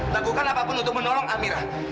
lakukan apapun untuk menolong amirah